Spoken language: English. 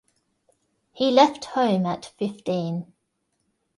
He left home at fifteen.